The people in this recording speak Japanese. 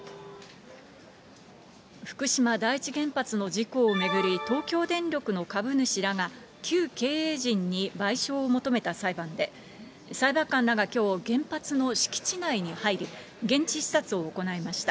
福島第一原発の事故を巡り、東京電力の株主らが、旧経営陣に賠償を求めた裁判で、裁判官らがきょう、原発の敷地内に入り、現地視察を行いました。